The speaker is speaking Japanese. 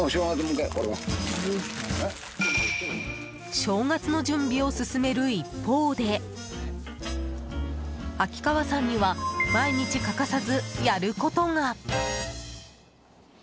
正月の準備を進める一方で秋川さんには毎日欠かさずやることが。